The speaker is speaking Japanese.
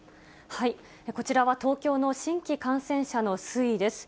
こちらは東京の新規感染者の推移です。